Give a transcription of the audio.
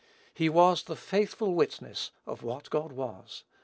He was "the faithful witness" of what God was.